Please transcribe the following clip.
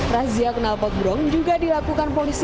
razia kenalpot berong juga dilakukan polisi